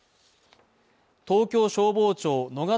東京消防庁野方